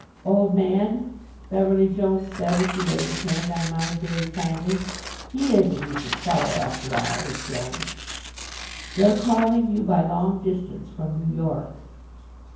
"Old man," Beverly Jones said, as he laid his hand on mine very kindly he is a decent fellow, after all, is Jones "they're calling you by long distance from New York."